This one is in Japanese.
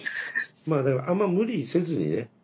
まあだからあんま無理せずにね。